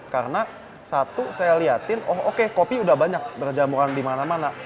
karena satu saya lihatin oh oke kopi udah banyak berjamuran dimana mana